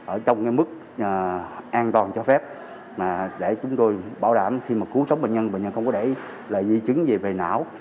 ở trong mức an toàn cho phép để chúng tôi bảo đảm khi cứu sống bệnh nhân bệnh nhân không có để ý dây chứng về não